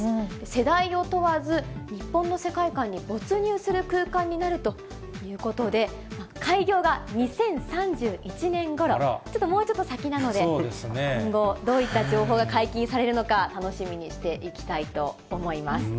世代を問わず、日本の世界観に没入する空間になるということで、開業が２０３１年ごろ、ちょっともうちょっと先なので、今後、どういった情報が解禁されるのか、楽しみにしていきたいと思います。